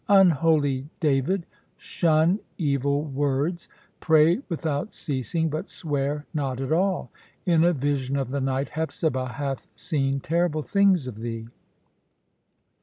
"Unholy David, shun evil words. Pray without ceasing, but swear not at all. In a vision of the night, Hepzibah hath seen terrible things of thee."